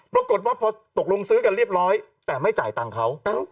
ปรากฏว่าพอตกลงซื้อกันเรียบร้อยแต่ไม่จ่ายตังค์เขา